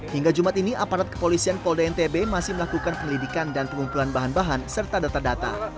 hingga jumat ini aparat kepolisian polda ntb masih melakukan penyelidikan dan pengumpulan bahan bahan serta data data